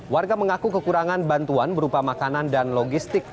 warga mengaku kekurangan bantuan berupa makanan dan logistik